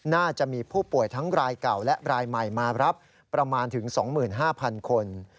น่าจะมีผู้ป่วยทั้งรายเก่าและรายใหม่มารับประมาณถึง๒๕๐๐๐คน